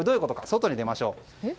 外に出ましょう。